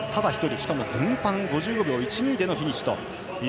しかも前半５５秒１２でフィニッシュ。